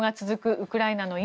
ウクライナの今。